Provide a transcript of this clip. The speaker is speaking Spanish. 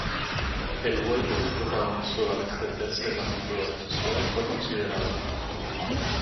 El vuelco que protagonizó al extenderse al ámbito de la sociedad fue considerable.